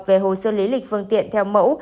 về hồ sơ lý lịch phương tiện theo mẫu